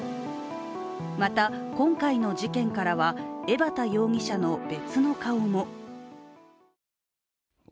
また今回の事件からは江畑容疑者の別の顔も。